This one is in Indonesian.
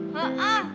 hah ah ghiburuan gi